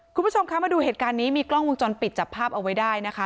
คุณผู้ชมคะมาดูเหตุการณ์นี้มีกล้องวงจรปิดจับภาพเอาไว้ได้นะคะ